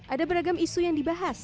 ada beragam isu yang dibahas